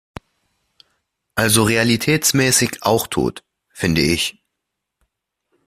Also realitätsmäßig auch tot - finde ich.